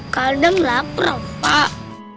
kadang lapar pak